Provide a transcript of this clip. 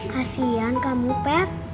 kasian kamu pat